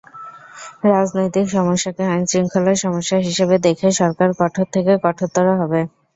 রাজনৈতিক সমস্যাকে আইনশৃঙ্খলার সমস্যা হিসেবে দেখে সরকার কঠোর থেকে কঠোরতর হবে।